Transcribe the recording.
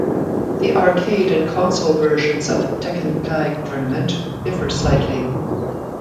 The arcade and console versions of "Tekken Tag Tournament" differ slightly.